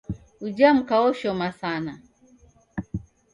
Ujha mka oshoma sana.